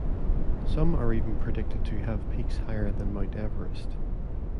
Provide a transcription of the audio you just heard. Some are even predicted to have peaks higher than Mount Everest.